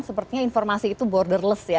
sepertinya informasi itu borderless ya